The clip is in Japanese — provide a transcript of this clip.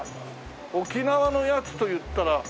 沖縄のやつといったら。